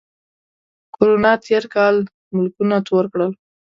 کرونا تېر کال ملکونه تور کړل